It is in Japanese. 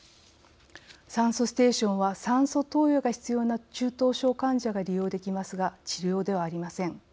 酸素ステーションは酸素投与が必要な中等症患者が利用できますが治療ではありません。